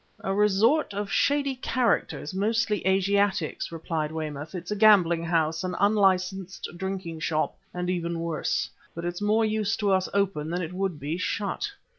"A resort of shady characters, mostly Asiatics," replied Weymouth. "It's a gambling house, an unlicensed drinking shop, and even worse but it's more use to us open than it would be shut."